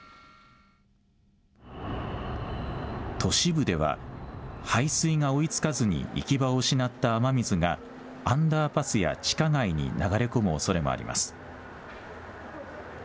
都市部では排水が追いつかずに行き場を失った雨水がアンダーパスや地下街に流れ込むおそれもあります。